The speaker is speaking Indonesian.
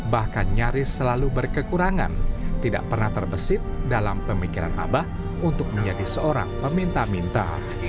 bahkan nyaris selalu berkekurangan tidak pernah terbesit dalam pemikiran abah untuk menjadi seorang peminta minta